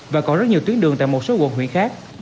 và còn rất nhiều tuyến đường tại một số quận huyện khác